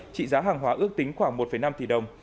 trị giá hàng hóa ước tính khoảng một năm tỷ đồng